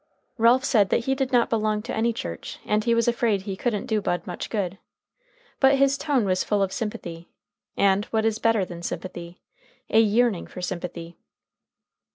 Ralph said that he did not belong to any church, and he was afraid he couldn't do Bud much good. But his tone was full of sympathy, and, what is better than sympathy, a yearning for sympathy.